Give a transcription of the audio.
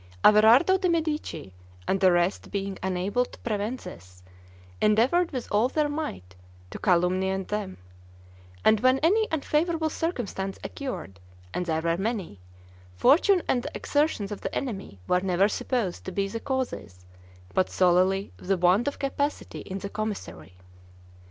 Averardo de' Medici and the rest being unable to prevent this, endeavored with all their might to calumniate them; and when any unfavorable circumstance occurred (and there were many), fortune and the exertions of the enemy were never supposed to be the causes, but solely the want of capacity in the commissary.